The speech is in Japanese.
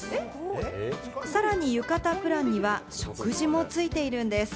さらに浴衣プランには食事も付いているんです。